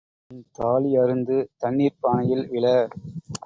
உன் தாலி அறுந்து தண்ணீர்ப் பானையில் விழ.